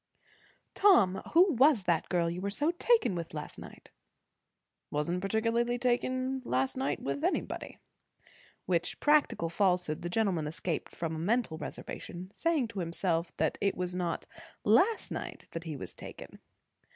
"Tom, who was that girl you were so taken with last night?" "Wasn't particularly taken last night with anybody." Which practical falsehood the gentleman escaped from by a mental reservation, saying to himself that it was not last night that he was "taken."